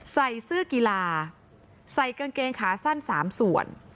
ใส่เสื้อกีฬาใส่กางเกงขาสั้น๓ส่วน